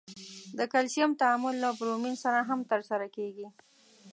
د کلسیم تعامل له برومین سره هم ترسره کیږي.